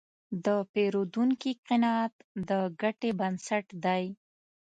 د پیرودونکي قناعت د ګټې بنسټ دی.